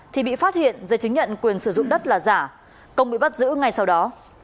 thì bị phát hiện dây chứng nhận quyền sử dụng đất là giả công bị bắt giữ ngay sau đó